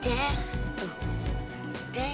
pasir lagi deh